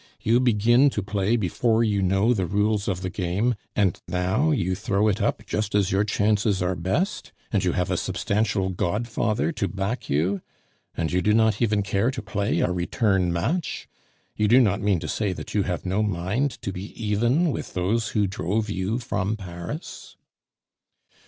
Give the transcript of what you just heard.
"You begin to play before you know the rules of the game, and now you throw it up just as your chances are best, and you have a substantial godfather to back you! And you do not even care to play a return match? You do not mean to say that you have no mind to be even with those who drove you from Paris?"